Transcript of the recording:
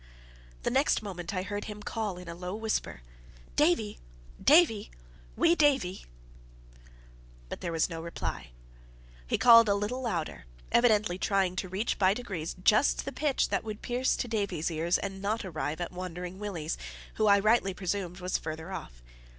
The next moment I heard him call in a low whisper: "Davie! Davie! wee Davie!" But there was no reply. He called a little louder, evidently trying to reach by degrees just the pitch that would pierce to Davie's ears and not arrive at Wandering Willie's, who I rightly presumed was farther off.